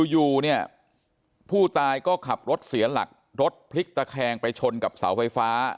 อยู่เนี่ยผู้ตายก็ขับรถเสียหลักรถพลิกตะแคงไปชนกับเสาไฟฟ้า